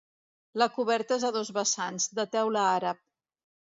La coberta és a dos vessants, de teula àrab.